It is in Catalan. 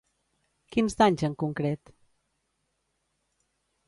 Quins danys en concret?